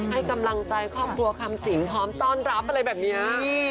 ให้กำลังใจครอบครัวคำสิงพร้อมต้อนรับอะไรแบบนี้